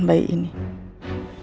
nggak ada partisipah